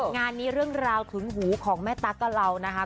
งานนี้เรื่องราวถึงหูของแม่ตั๊กกับเรานะคะ